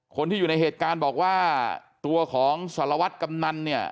คนที่อยู่ในเหตุการณ์บอกว่าตัวของสรวจกำนัน